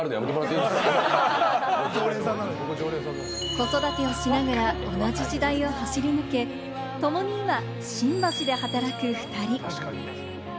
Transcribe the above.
子育てをしながら同じ時代を走り抜け、ともに今、新橋で働く２人。